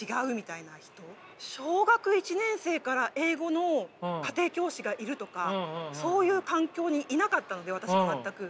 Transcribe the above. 小学１年生から英語の家庭教師がいるとかそういう環境にいなかったので私は全く。